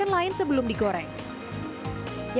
lalu dipelihara dengan selai sarikaya